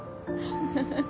フフフ。